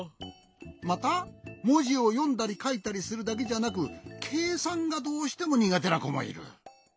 またもじをよんだりかいたりするだけじゃなくけいさんがどうしてもにがてなこもいる。